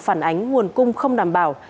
phản ánh nguồn cung không đảm bảo